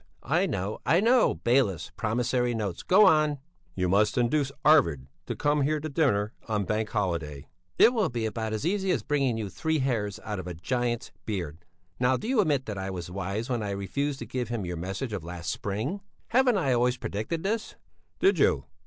"I know, I know, bailiffs, promissory notes go on!" "You must induce Arvid to come here to dinner on Bank Holiday...." "It will be about as easy as bringing you three hairs out of the giant's beard. Now do you admit that I was wise when I refused to give him your message of last spring? Haven't I always predicted this?" "Did you?